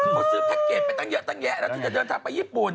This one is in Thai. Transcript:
เขาซื้อแพ็คเกจไปเยอะแล้วที่จะเดินทางไปญี่ปุ่น